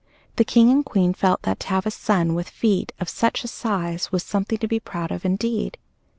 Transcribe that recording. The King and Queen felt that to have a son with feet of such a size was something to be proud of, indeed.